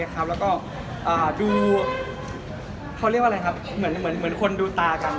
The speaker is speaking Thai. แล้วก็ดูเขาเรียกว่าอะไรครับเหมือนคนดูตากัน